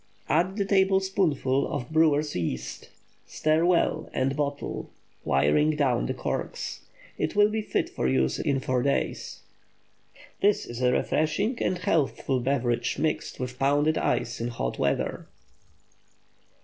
Add a tablespoonful of brewers' yeast; stir well and bottle, wiring down the corks. It will be fit for use in four days. This is a refreshing and healthful beverage mixed with pounded ice in hot weather.